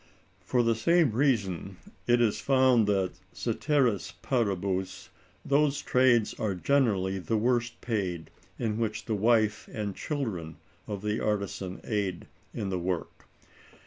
For the same reason it is found that, cæteris paribus, those trades are generally the worst paid in which the wife and children of the artisan aid in the work.